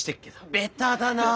ベタだなあ！